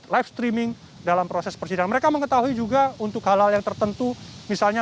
live streaming dalam proses persidangan mereka mengetahui juga untuk hal hal yang tertentu misalnya